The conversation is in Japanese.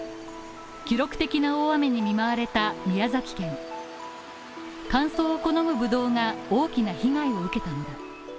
記録的な大雨に見舞われた宮崎県乾燥を好むブドウが大きな被害を受けたのだ